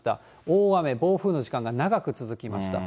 大雨、暴風の時間が長く続きました。